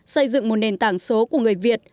xây dựng một nền tảng số của người việt